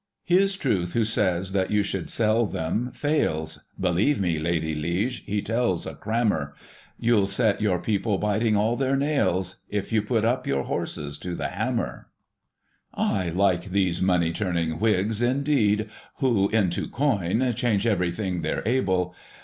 IV. His truth who says that you should sell them, fails. Believe me, Lady liege, he tells a crammer ; You'll set your people biting all their nailSf If you put up your horses to the hammer, V. I like these money turning Whigs, indeed ; Who, into coin, change everything they're able.